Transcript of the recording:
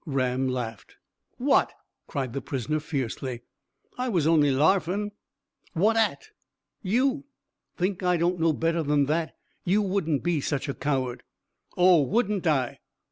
Ram laughed. "What?" cried the prisoner fiercely. "I was only larfin'." "What at?" "You. Think I don't know better than that? You wouldn't be such a coward." "Oh, wouldn't I?"